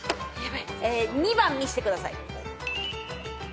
２番見せてください。